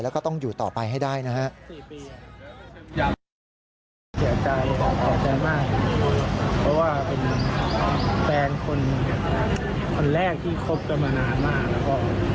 แล้วก็วางแผนชีวิตไปด้วยกันเยอะมาก